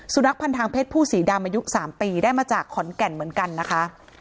สุนัขพันธ์ทางเพศผู้สีดำอายุ๓ปีได้มาจากขอนแก่นเหมือนกันนะคะ